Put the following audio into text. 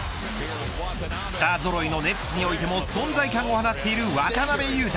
スターぞろいのネッツにおいても存在感を放っている渡邊雄太